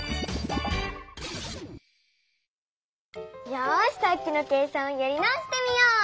よしさっきの計算をやり直してみよう！